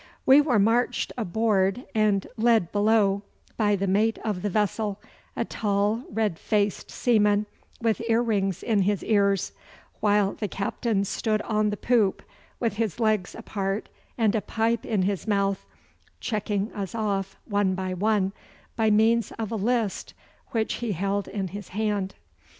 We were marched aboard and led below by the mate of the vessel, a tall red faced seaman with ear rings in his ears, while the captain stood on the poop with his legs apart and a pipe in his mouth, checking us off one by one by means of a list which he held in his hand.